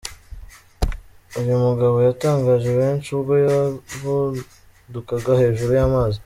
Uyu mugabo yatangaje benshi ubwo yavudukaga hejuru y'amazi.